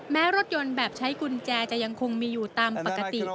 รถยนต์แบบใช้กุญแจจะยังคงมีอยู่ตามปกติ